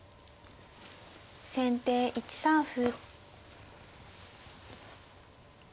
先手１三歩。